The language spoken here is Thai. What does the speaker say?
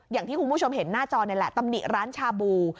อย่างที่คุณผู้ชมเห็นหน้าจอนี่แหละตำหนิร้านชาบู